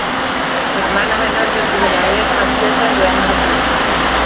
Hermano menor del brigadier patriota Leandro Palacios.